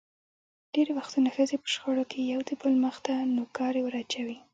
ډېری وختونه ښځې په شخړو کې یو دبل مخ ته نوکارې ور اچوي.